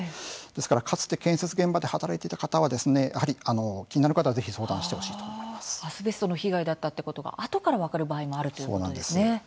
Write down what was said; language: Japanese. ですから、かつて建設現場で働いていた方はやはり気になる方はアスベストの被害だったということがあとから分かる場合もあるそうなんです。